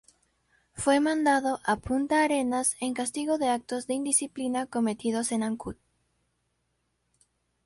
Fue mandado a Punta Arenas en castigo de actos de indisciplina cometidos en Ancud.